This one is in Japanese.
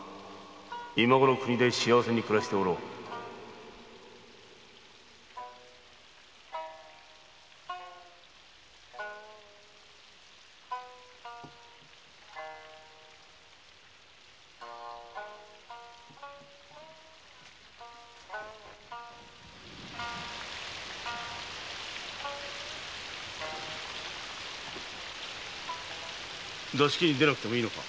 今ごろは故郷で幸せに暮らしておろう座敷に出なくてもいいのか？